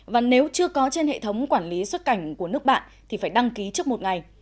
và nếu chưa có trên hệ thống quản lý xuất cảnh của nước bạn thì phải đăng ký trước một ngày